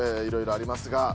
いろいろありますが。